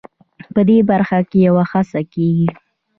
په دې برخه کې یوه هڅه کېږي.